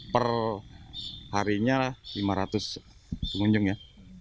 per harinya lima ratus pengunjung ya